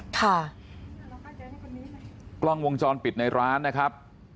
กล้องวงจรปิดในร้านนะครับ